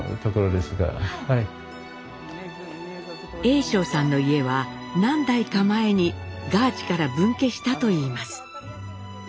栄章さんの家は何代か前にガーチから分家したといいます。